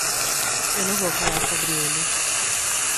Eu não vou falar sobre eles.